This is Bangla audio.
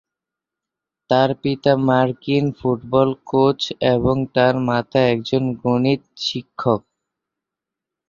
তার পিতা মার্কিন ফুটবল কোচ এবং তার মাতা একজন গণিত শিক্ষক।